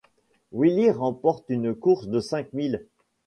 Willie remporte une course de cinq mile.